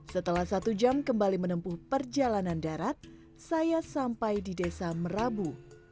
setelah satu jam kembali menempuh perjalanan darat saya sampai di desa merabu